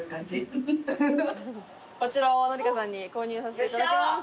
「こちらを紀香さんに購入させて頂きます！」